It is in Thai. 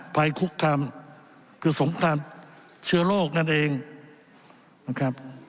ภัยคุกคามคือสงครามเชื้อโรคนั่นเองนะครับ